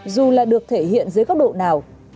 dù là được thể hiện dưới góc độ nào